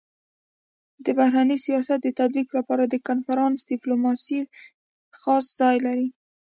د بهرني سیاست د تطبيق لپاره د کنفرانس ډيپلوماسي خاص ځای لري.